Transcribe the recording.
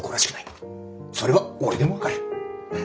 それは俺でも分かる。